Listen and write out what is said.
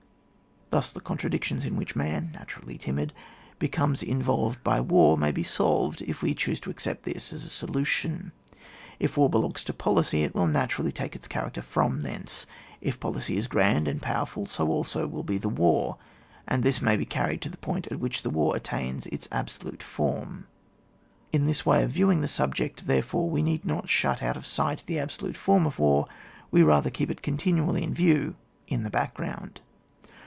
Thus the contradictions in which man, naturally timid, becomes involyed by war, may be solved, if we choose to accept this as a solution. If war belongs to policy, it will natu rally take its character from thence. If policy is grand and powerful, so will also be the war, and this may be carried to the point at which war attains to its absolute form. In this way of viewing the subject, therefore, we need not shut out of sight the absolute form of war, we rather keep it continually in view in the back ground.